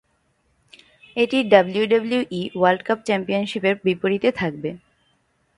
এটি WWE world চ্যাম্পিয়নশিপের বিপরীতে থাকবে।